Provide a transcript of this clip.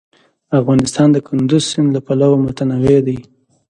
افغانستان د کندز سیند له پلوه متنوع دی.